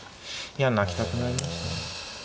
いや泣きたくなりました。